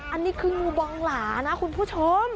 อันนี้คืองูบองหลานะคุณผู้ชม